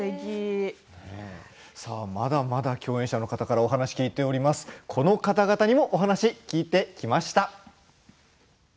まだまだ共演者の方々にお話聞いています、この方々にもお話聞いてきました。